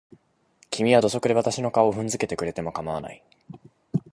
君は土足で私の顔を踏んづけてくれても構わない。